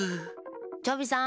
チョビさん！